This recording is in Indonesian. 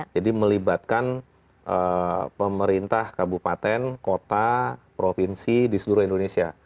melibatkan pemerintah kabupaten kota provinsi di seluruh indonesia